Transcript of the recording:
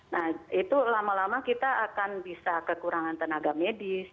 nah itu lama lama kita akan bisa kekurangan tenaga medis